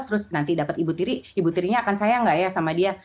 terus nanti dapat ibu tiri ibu tirinya akan sayang nggak ya sama dia